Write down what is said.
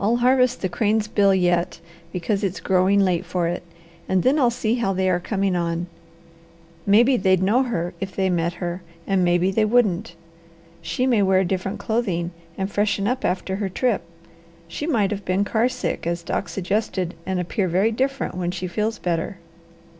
"I'll harvest the cranesbill yet, because it's growing late for it, and then I'll see how they are coming on. Maybe they'd know her if they met her, and maybe they wouldn't. She may wear different clothing, and freshen up after her trip. She might have been car sick, as Doc suggested, and appear very different when she feels better."